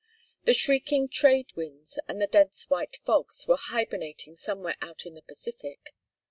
The shrieking trade winds and the dense white fogs were hibernating somewhere out in the Pacific.